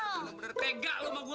bener bener tega lo emak gua